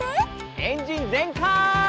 エンジンぜんかい！